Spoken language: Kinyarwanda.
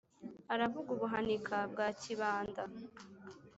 Aravuga Ubuhanika bwa Kibanda